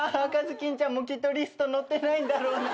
ずきんちゃんもきっとリスト載ってないんだろうな。